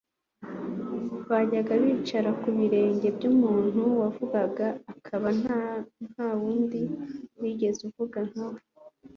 Bajyaga bicara ku birenge by'umuntu wavugaga akaba nta undi wigeze avuga nka we.